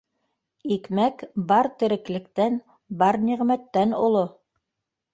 - Икмәк бар тереклектән, бар ниғмәттән оло.